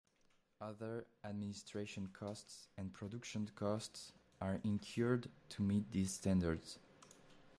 Other administration costs and production costs are incurred to meet these standards.